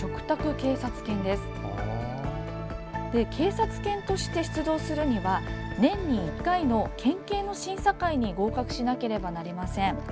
警察犬として出動するには年に１回の県警の審査会に合格しなければなりません。